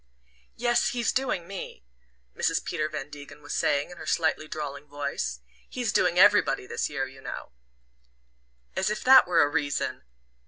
"Yes he's doing me," Mrs. Peter Van Degen was saying, in her slightly drawling voice. "He's doing everybody this year, you know " "As if that were a reason!"